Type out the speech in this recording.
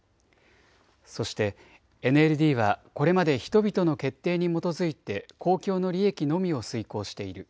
そしてＮＬＤはこれまで人々の決定に基づいて公共の利益のみを遂行している。